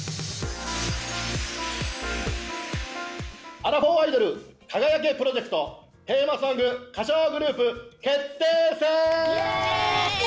アラフォーアイドル輝けプロジェクトテーマソング歌唱グループ決定戦！